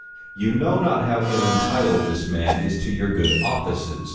you know not how ill entitled this man is to your good offices."